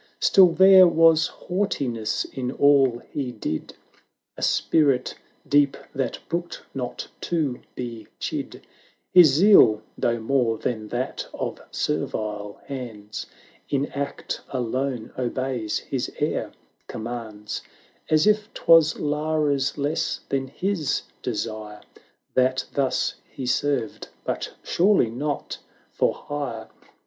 Still there was haughtiness in all he did, A spirit deep that brooked not to be chid; His zeal, though more than that of ser\ale hands, 560 In act alone obeys, his air commands; As if 'twas Lara's less than his desire That thus he served, but surely not for hire.